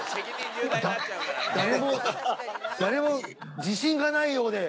誰も誰も自信がないようで。